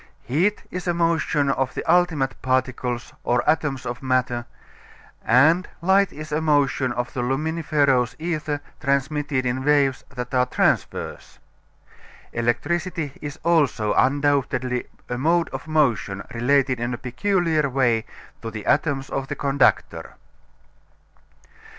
Heat is a motion of the ultimate particles or atoms of matter, and Light is a motion of the luminiferous ether transmitted in waves that are transverse. Electricity is also undoubtedly a mode of motion related in a peculiar way to the atoms of the conductor.